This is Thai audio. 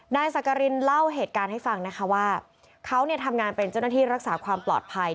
นายสักกรินเล่าเหตุการณ์ให้ฟังนะคะว่าเขาทำงานเป็นเจ้าหน้าที่รักษาความปลอดภัย